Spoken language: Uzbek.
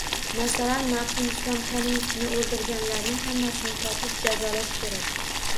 Masalan, marhum Islom Karimovni o'ldirganlarning hammasini topib, jazolash kerak